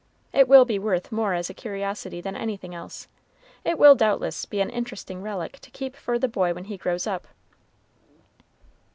It will be worth more as a curiosity than anything else. It will doubtless be an interesting relic to keep for the boy when he grows up."